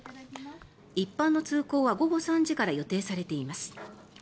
一般の通行は午後３時から予定されています。